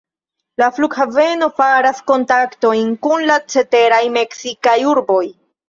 La flughaveno faras kontaktojn kun la ceteraj meksikaj urboj.